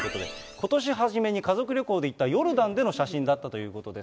ことし初めに家族旅行で行ったヨルダンでの写真だったということです。